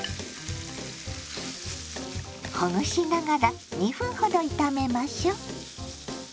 ほぐしながら２分ほど炒めましょう。